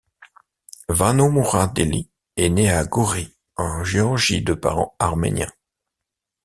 Vano Mouradeli est né à Gori, en Géorgie de parents arméniens.